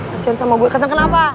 kasian sama gua kasian kenapa